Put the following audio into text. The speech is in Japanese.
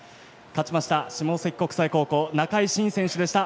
勝ちました、下関国際高校仲井慎選手でした。